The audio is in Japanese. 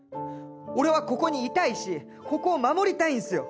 俺はここにいたいしここを守りたいんすよ。